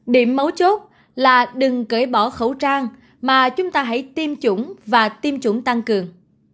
điểm mấu chốt là đừng cởi bỏ khẩu trang mà chúng ta hãy tiêm chủng và tiêm chủng tăng cường